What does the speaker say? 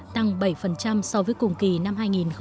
tăng bảy so với cùng kỳ năm hai nghìn một mươi tám